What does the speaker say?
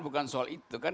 bukan soal itu